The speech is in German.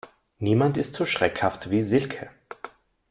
Niemand ist so schreckhaft wie Silke.